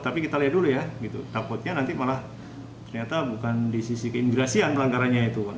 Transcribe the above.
tapi kita lihat dulu ya takutnya nanti malah ternyata bukan di sisi keimigrasian pelanggarannya itu